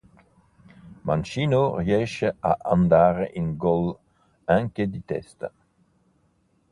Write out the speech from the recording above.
Mancino, riesce ad andare in gol anche di testa.